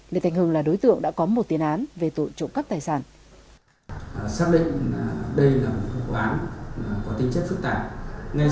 lê thành hưng là đối tượng đã có một tiến án về tội trộm cắp tài sản